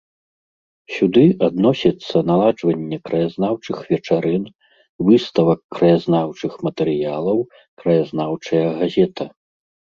Сюды адносіцца наладжванне краязнаўчых вечарын, выставак краязнаўчых матэрыялаў, краязнаўчая газета.